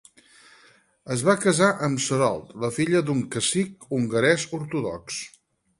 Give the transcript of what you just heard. Es va casar amb Sarolt, la filla d'un cacic hongarès ortodox.